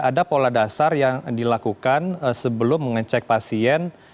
ada pola dasar yang dilakukan sebelum mengecek pasien